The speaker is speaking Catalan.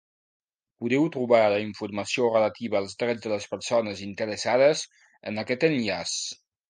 Podeu trobar la informació relativa als drets de les persones interessades en aquest enllaç.